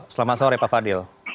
selamat sore pak fadil